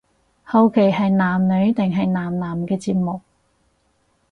好奇係男女定係男男嘅節目